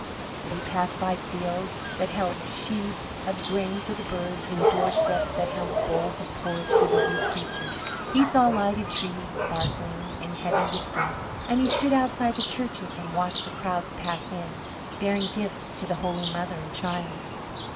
But he passed by fields that held sheaves of grain for the birds and doorsteps that held bowls of porridge for the wee creatures. He saw lighted trees, sparkling and heavy with gifts; and he stood outside the churches and watched the crowds pass in, bearing gifts to the Holy Mother and Child.